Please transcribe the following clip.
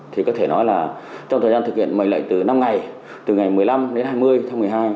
thì có thể nói là trong thời gian thực hiện mệnh lệnh từ năm ngày từ ngày một mươi năm đến hai mươi tháng một mươi hai